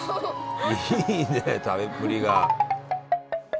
いいね食べっぷりが。